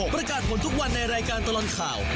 ประกาศผลทุกวันในรายการตลอดข่าว